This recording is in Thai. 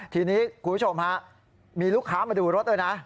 ทีนี้คุณผู้ชมฮะมีลูกค้ามาดูรถด้วยนะ